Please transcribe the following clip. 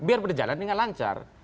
biar berjalan dengan lancar